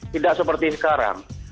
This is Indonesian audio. tidak seperti sekarang